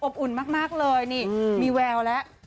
อบอุ่นมากเลยนี่มีแววละ